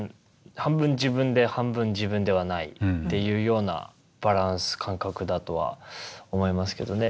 半分自分で半分自分ではないっていうようなバランス感覚だとは思いますけどね。